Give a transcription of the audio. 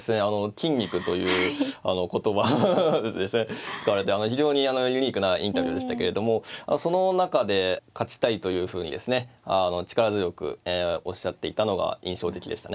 筋肉という言葉ですね使われて非常にあのユニークなインタビューでしたけれどもその中で勝ちたいというふうにですね力強くおっしゃっていたのが印象的でしたね。